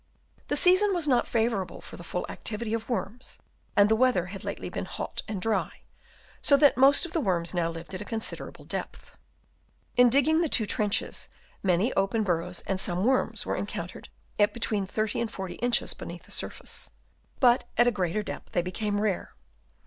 The season was not favourable for the full activity of worms, and the weather had lately been hot and dry, so that most of the worms now lived at a considerable depth. In digging the two trenches many open burrows and some worms were encountered at between 30 and 40 inches beneath the surface ; but at a greater depth they became rare.